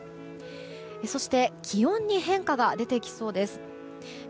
そして気温に変化が出てきそうです。